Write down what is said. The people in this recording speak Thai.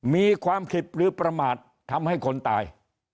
มีความผิดหรือประมาททำให้คนตาย